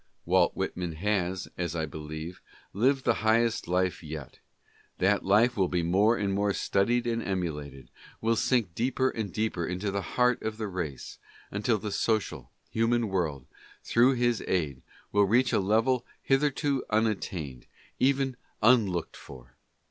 Walt Whitman has (as I believe) lived the highest life yet. That life will be more and more studied and emulated, will sink deeper and deeper into the heart of the race, until the social, hu man world, through his aid, will reach a level hitherto unattained, even unlooked for.